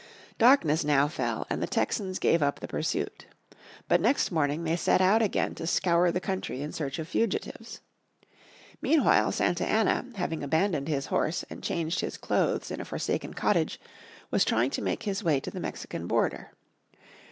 Darkness now fell and the Texans gave up the pursuit. But next morning they set out again to scour the country in search of fugitives. Meanwhile Santa Anna, having abandoned his horse and changed his clothes in a forsaken cottage, was trying to make his way to the Mexican border.